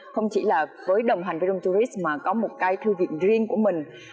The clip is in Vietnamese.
không chỉ là với đồng hành với romt tourist mà có một cái thư viện riêng của mình